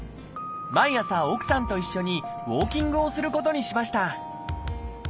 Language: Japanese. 毎朝奥さんと一緒にウォーキングをすることにしました。